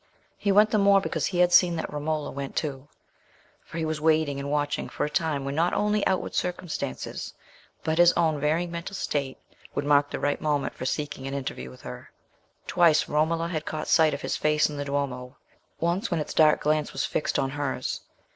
He went the more because he had seen that Romola went too; for he was waiting and watching for a time when not only outward circumstances, but his own varying mental state, would mark the right moment for seeking an interview with her. Twice Romola had caught sight of his face in the Duomo—once when its dark glance was fixed on hers.